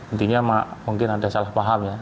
intinya mungkin ada salah paham ya